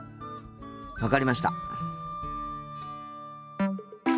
分かりました。